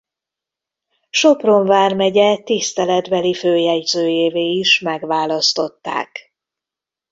Sopron vármegye tiszteletbeli főjegyzőjévé is megválasztották.